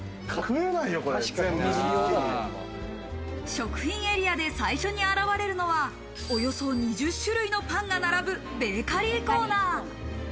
食品エリアで最初に現れるのは、およそ２０種類のパンが並ぶベーカリーコーナー。